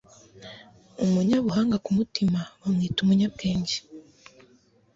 Umunyabuhanga ku mutima bamwita umunyabwenge